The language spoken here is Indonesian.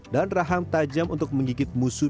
dan rahang tajam untuk menggigit musuh